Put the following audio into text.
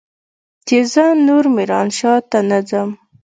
چې زه نور ميرانشاه ته نه ځم.